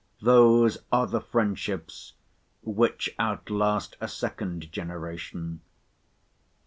Those are the friendships, which outlast a second generation.